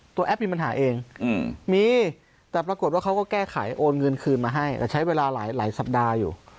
แอปมีปัญหาเองมีแต่ปรากฏว่าเขาก็แก้ไขโอนเงินคืนมาให้แต่ใช้เวลาหลายสัปดาห์อยู่